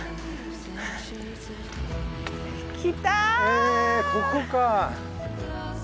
へえここか。